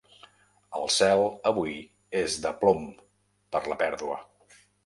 El cel, avui, és de plom, per la pèrdua.